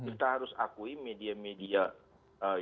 kita harus akui media media yang berbeda